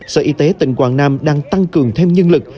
sở y tế tỉnh quảng nam đang tăng cường thêm nhân lực